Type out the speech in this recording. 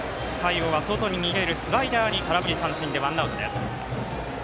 外に逃げるスライダーに空振りでワンアウトです。